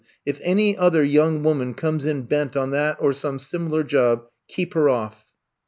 If any other young woman comes in bent on that or some sim ilar job, keep her off."